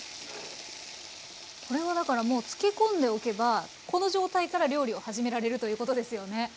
これはだからもう漬け込んでおけばこの状態から料理を始められるということですよね。